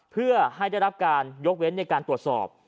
เพื่อให้ได้รับการยกเว้นในการตรวจสอบ